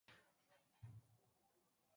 Ez al dira baztertuta sentitzen?